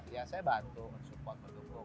ya saya bantu mensupport mendukung